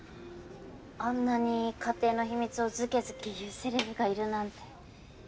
あんなに家庭の秘密をずけずけ言うセレブがいるなんて。